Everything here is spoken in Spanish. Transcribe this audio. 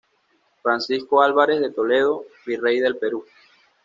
Francisco Álvarez de Toledo, virrey del Perú.